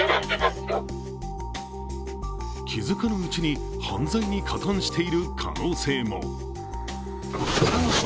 気づかぬうちに犯罪に加担している可能性も。